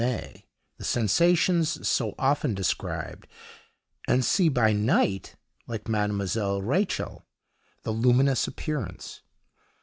Maix, the sensations so often described, and see by night, like Mdlle. Reichel, the luminous appearance.